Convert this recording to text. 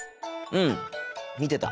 うん見てた。